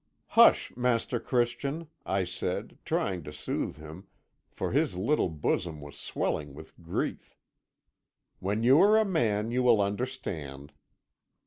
"'Hush, Master Christian,' I said, trying to soothe him, for his little bosom was swelling with grief. 'When you are a man you will understand.'